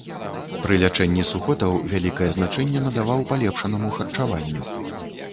Пры лячэнні сухотаў вялікае значэнне надаваў палепшанаму харчаванню.